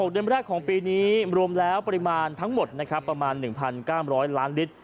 เดือนแรกของปีนี้รวมแล้วปริมาณทั้งหมดนะครับประมาณ๑๙๐๐ล้านลิตร